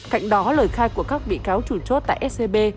cạnh đó lời khai của các bị cáo chủ chốt tại scb